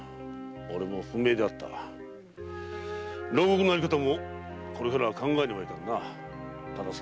牢獄のあり方もこれからは考えねばいかんな忠相。